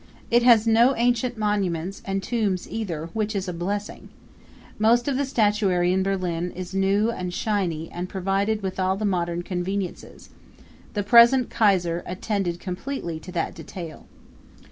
It has no ancient monuments and tombs either, which is a blessing. Most of the statuary in Berlin is new and shiny and provided with all the modern conveniences the present kaiser attended competently to that detail.